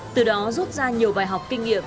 từ đó rút ra nhiều bài học kinh nghiệm